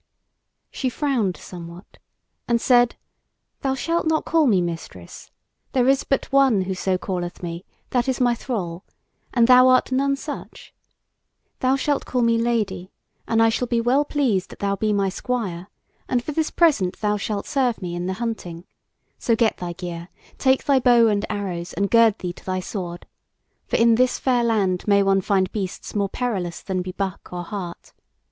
She frowned somewhat, and said: "Thou shalt not call me Mistress; there is but one who so calleth me, that is my thrall; and thou art none such. Thou shalt call me Lady, and I shall be well pleased that thou be my squire, and for this present thou shalt serve me in the hunting. So get thy gear; take thy bow and arrows, and gird thee to thy sword. For in this fair land may one find beasts more perilous than be buck or hart.